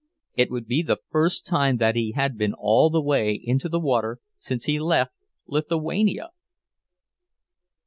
It would be the first time that he had been all the way into the water since he left Lithuania!